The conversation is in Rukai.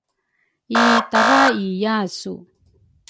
itaraiyasu.